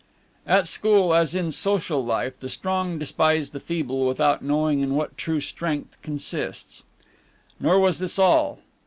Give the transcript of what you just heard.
At school, as in social life, the strong despise the feeble without knowing in what true strength consists. Nor was this all.